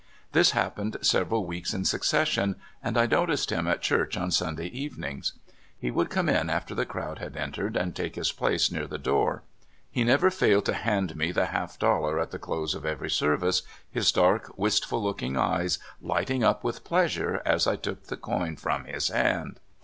This happened several weeks in succession, and I noticed him at church on Sunday evenings. He would come in after the crowd had entered, and take his place near the door. He never failed to hand me the half dol lar at the close of every service, his dark, wist ful looking eyes lighting up with pleasure as I took the coin from his hand.